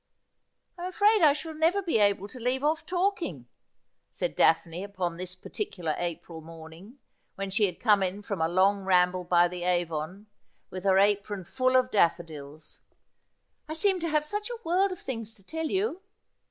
' I'm afraid 1 shall never be able to leave off talking,' said Daphne upon this particular April morning, when she had come in from a long ramble by the Avon, with her apron full ' Curteis She was, Discrete, and Dehonaire.' 45 of daffodils ;' I seem to have such a world of things to tell you.'